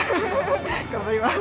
頑張ります。